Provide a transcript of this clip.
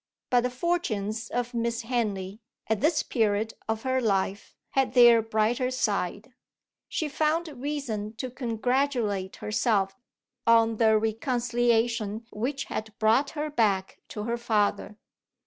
But the fortunes of Miss Henley, at this period of her life, had their brighter side. She found reason to congratulate herself on the reconciliation which had brought her back to her father.